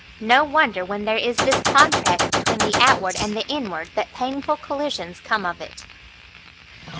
No wonder, when there is this contrast between the outward and the inward, that painful collisions come of it.